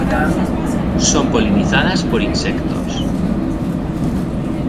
Son polinizadas por insectos.